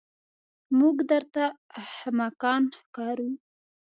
موږ درته احمقان ښکارو.